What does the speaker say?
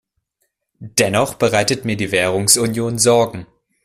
Dennoch bereitet mir die Währungsunion Sorgen.